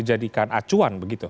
menjadikan acuan begitu